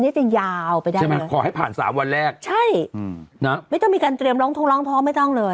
นี่จะยาวไปได้ใช่ไหมขอให้ผ่านสามวันแรกใช่อืมนะไม่ต้องมีการเตรียมร้องทงร้องเพราะไม่ต้องเลย